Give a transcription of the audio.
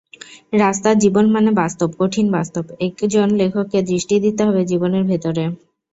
রাস্তার জীবন মানে বাস্তব, কঠিন বাস্তব—একজন লেখককে দৃষ্টি দিতে হবে জীবনের ভেতরে।